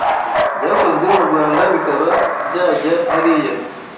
byakozwe mu Rwanda bikaba byajya hariya